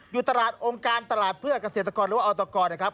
อยู่ตลาดองค์การตลาดเพื่อเกษตรกรหรือว่าออตกรนะครับ